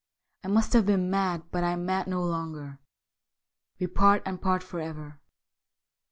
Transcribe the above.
I must have been mad, but I am mad no longer. We part, and part for ever.